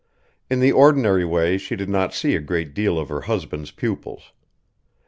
In the ordinary way she did not see a great deal of her husband's pupils.